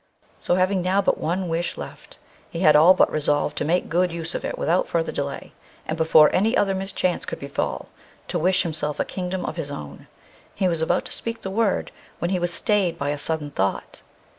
So, having now but one wish left, he had all but resolved to make good use of it without further delay, and, before any other mischance could befall, to wish himself a kingdom of his own. He was about to speak the word, when he was stayed by a sudden thought.